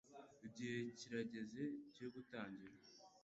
Igihe kirageze cyo gutangira